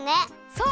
そう！